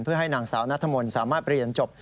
เพื่อให้นางสาวนัทมนต์สามารถเรียนจบ